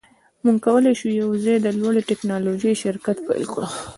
موږ کولی شو یوځای د لوړې ټیکنالوژۍ شرکت پیل کړو